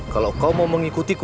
kalau kau mau mengikutiku